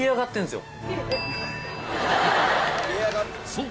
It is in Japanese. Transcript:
そう！